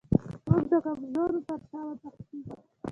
موږ د کمزورو تر شا وتښتو.